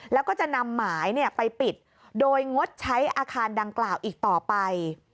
แล้วก็จะนำหมายไปปิดโดยงดใช้อาคารดังกล่าวอีกต่อไป